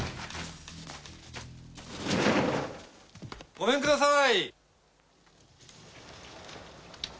ごめんください！